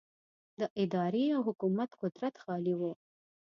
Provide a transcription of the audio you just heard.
د ادارې او حکومت قدرت خالي و.